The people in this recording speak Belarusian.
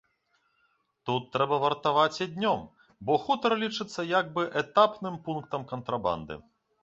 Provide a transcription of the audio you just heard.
Тут трэба вартаваць і днём, бо хутар лічыцца як бы этапным пунктам кантрабанды.